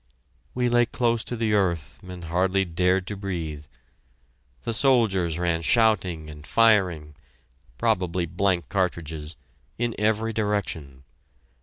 We lay close to the earth and hardly dared to breathe. The soldiers ran shouting and firing (probably blank cartridges) in every direction.